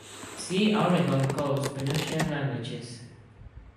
See Oregon Coast Penutian languages.